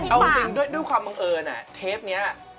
เอาจริงด้วยความบังเอิญเทปนี้